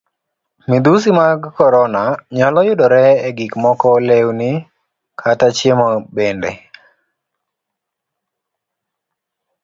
Midhusi mag korona nyalo yudore e gik moko lewni, kata chiemo bende.